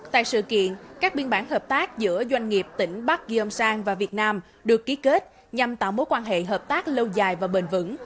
tại sự kiện các biên bản hợp tác giữa doanh nghiệp tỉnh bắc giyonsan và việt nam được ký kết nhằm tạo mối quan hệ hợp tác lâu dài và bền vững